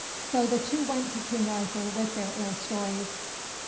So the two went to King Arthur with their ill stories.